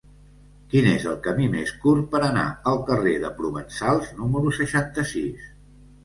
Quin és el camí més curt per anar al carrer de Provençals número seixanta-sis?